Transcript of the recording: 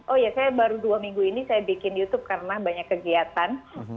oh ya saya baru dua minggu ini saya bikin youtube karena banyak kegiatan